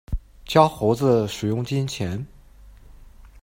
教猴子使用金钱